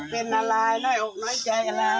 เป็นอะไรน้อยอบน้อยใจอะไรจะเอาอะไรเหรอ